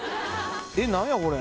えっ何やこれ。